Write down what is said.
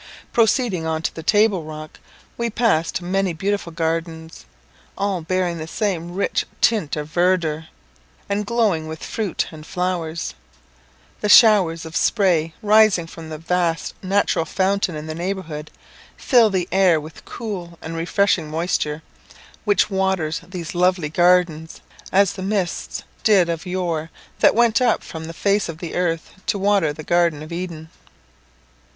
Proceeding on to the table rock, we passed many beautiful gardens, all bearing the same rich tint of verdure, and glowing with fruit and flowers. The showers of spray, rising from the vast natural fountain in their neighbourhood, fill the air with cool and refreshing moisture, which waters these lovely gardens, as the mists did of yore that went up from the face of the earth to water the garden of Eden.